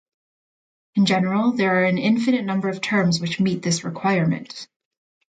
In general there are an infinite number of terms which meet this requirement.